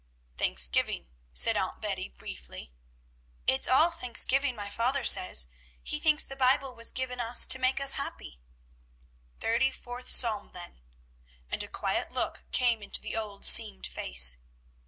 "Thanksgiving," said Aunt Betty briefly. "It's all Thanksgiving my father says. He thinks the Bible was given us to make us happy." "Thirty fourth Psalm, then," and a quiet look came into the old seamed face.